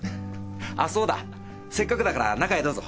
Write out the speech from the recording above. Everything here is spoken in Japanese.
あそうだせっかくだから中へどうぞ。